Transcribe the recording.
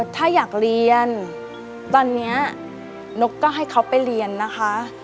ถ้าอยากเรียนตอนนี้นกก็ให้เขาไปเรียนนะคะ